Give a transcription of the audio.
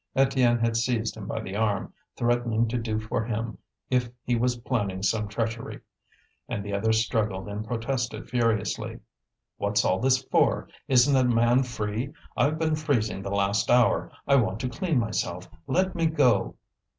Étienne had seized him by the arm, threatening to do for him if he was planning some treachery. And the other struggled and protested furiously: "What's all this for? Isn't a man free? I've been freezing the last hour. I want to clean myself. Let me go!"